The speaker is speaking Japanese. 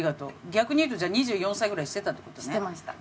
逆に言うとじゃあ２４歳ぐらいにしてたって事ね。